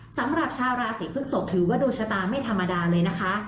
สำหรับชาวราศีพฤกษกถือว่าดวงชะตาไม่ธรรมดาเลยนะคะ